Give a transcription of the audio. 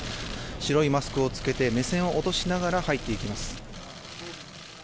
白いマスクを着けて目線を落としながら入っていきます。